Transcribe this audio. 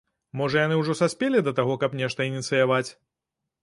Можа, яны ўжо саспелі да таго, каб нешта ініцыяваць?